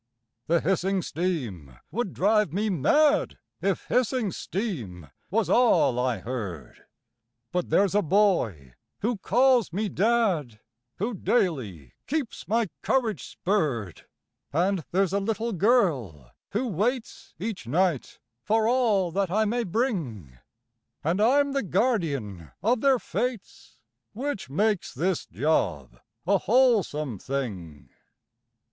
The hissing steam would drive me mad If hissing steam was all I heard; But there's a boy who calls me dad Who daily keeps my courage spurred; And there's a little girl who waits Each night for all that I may bring, And I'm the guardian of their fates, Which makes this job a wholesome thing.